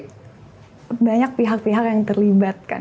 tapi banyak pihak pihak yang terlibat kan